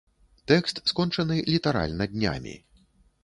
Тэкст скончаны літаральна днямі.